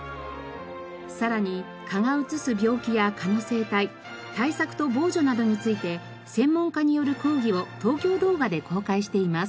さらに蚊がうつす病気や蚊の生態対策と防除などについて専門家による講義を「東京動画」で公開しています。